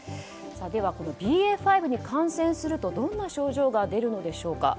ではＢＡ．５に感染するとどんな症状が出るのでしょうか。